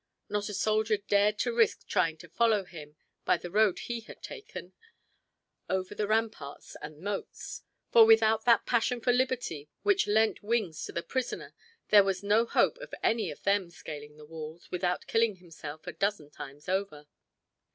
Not a soldier dared to risk trying to follow him by the road he had taken, over the ramparts and moats; for, without that passion for liberty which lent wings to the prisoner there was no hope of any of them scaling the walls without killing himself a dozen times over.